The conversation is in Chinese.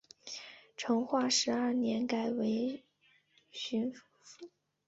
成化十二年改为寻甸府。